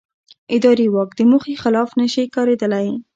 اداري واک د موخې خلاف نه شي کارېدلی.